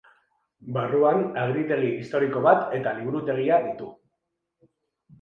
Barruan agiritegi historiko bat eta liburutegia ditu.